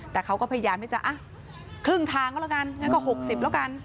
แต่เขาก็พยายามที่จะครึ่งทางก็แล้วกันงั้นก็๖๐แล้วกัน